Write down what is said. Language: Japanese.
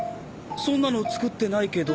そんなの作ってないけど。